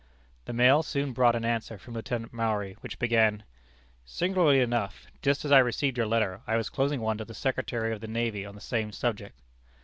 The mail soon brought an answer from Lieutenant Maury, which began: "Singularly enough, just as I received your letter, I was closing one to the Secretary of the Navy on the same subject."